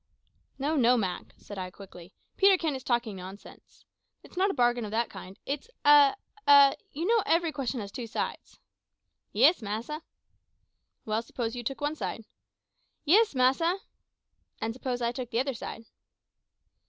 "No, no, Mak," said I quickly; "Peterkin is talking nonsense. It is not a bargain of that kind; it's a a You know every question has two sides?" "Yis, massa." "Well, suppose you took one side." "Yis." "And suppose I took the other side."